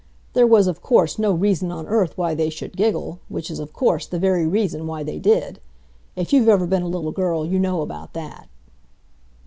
There was, of course, no reason on earth why they should giggle, which is, of course, the very reason why they did. If you've ever been a little girl you know about that.